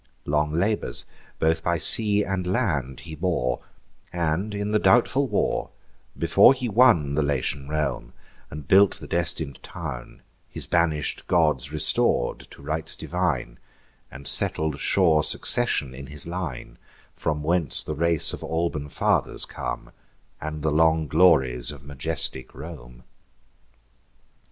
Long labours, both by sea and land, he bore, And in the doubtful war, before he won The Latian realm, and built the destin'd town; His banish'd gods restor'd to rites divine, And settled sure succession in his line, From whence the race of Alban fathers come, And the long glories of majestic Rome.